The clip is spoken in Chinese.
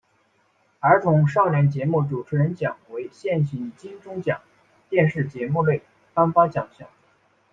儿童少年节目主持人奖为现行金钟奖电视节目类颁发奖项。